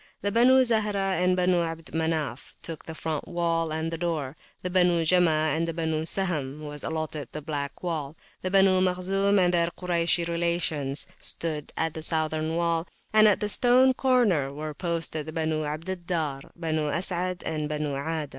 The Benu Zahrah and Benu Abd Manaf took the front wall and the door; to the Benu Jama and the Benu Sahm was allotted the back wall; the Benu Makhzum and their Kuraysh relations stood at the southern wall; and at the Stone corner were posted the Benu Abd al Dar, the Benu Asad, and the Benu Ada.